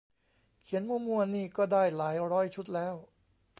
เขียนมั่วมั่วนี่ก็ได้หลายร้อยชุดแล้ว